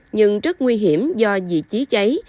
nhưng rất nguy hiểm do vị trí cháy